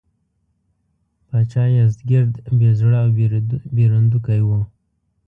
پاچا یزدګُرد بې زړه او بېرندوکی و.